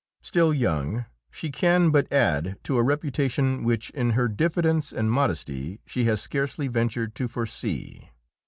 Still young, she can but add to a reputation which in her diffidence and modesty she has scarcely ventured to foresee.